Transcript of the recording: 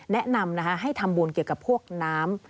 แนะนำให้ทำบุญเกี่ยวกับพวกน้ำ